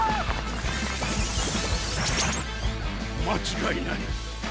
間違いない。